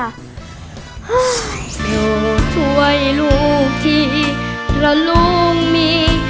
โดดถ่วยลูกที่เราลูกมี